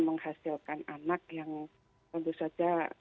menghasilkan anak yang tentu saja